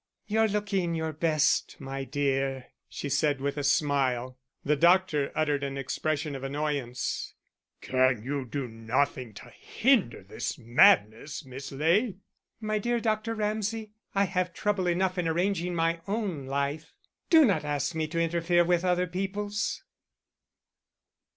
"You're looking your best, my dear," she said, with a smile. The doctor uttered an expression of annoyance: "Can you do nothing to hinder this madness, Miss Ley?" "My dear Dr. Ramsay, I have trouble enough in arranging my own life; do not ask me to interfere with other people's."